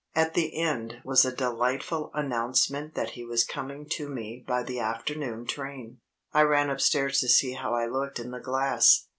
At the end was a delightful announcement that he was coming to me by the afternoon train. I ran upstairs to see how I looked in the glass.